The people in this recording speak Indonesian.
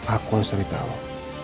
aku harus ceritakan